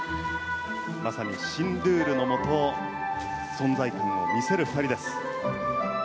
まさに新ルールのもと存在感を見せる２人です。